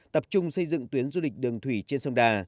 tập trung xây dựng tuyến du lịch đường thủy trên sông đà